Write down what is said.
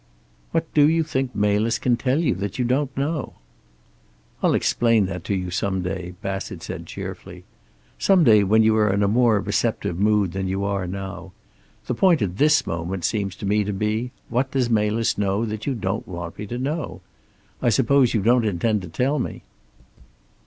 "What do you think Melis can tell you, that you don't know?" "I'll explain that to you some day," Bassett said cheerfully. "Some day when you are in a more receptive mood than you are now. The point at this moment seems to me to be, what does Melis know that you don't want me to know? I suppose you don't intend to tell me."